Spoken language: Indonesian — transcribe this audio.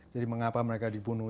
jadi mengapa mereka dibunuh